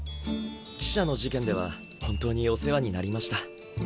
汽車の事件では本当にお世話になりました。